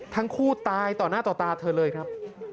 ทั้งคู่ตายต่อหน้าต่อตาเธอเลยครับ